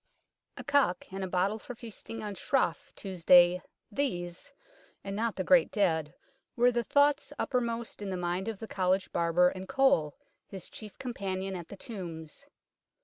A cock and a bottle for feasting on " Sraf " Tuesday these, and not the great dead, were the thoughts uppermost in the mind of the College barber and Cole, his chief companion at the tombs.